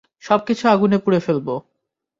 সবকিছু আগুনে পুড়ে ফেলব।